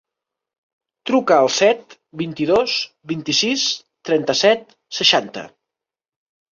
Truca al set, vint-i-dos, vint-i-sis, trenta-set, seixanta.